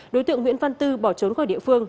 đối tượng nguyễn văn tư bỏ trốn khỏi địa phương